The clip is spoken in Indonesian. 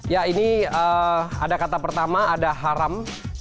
ya ini ada kata pertama ada haram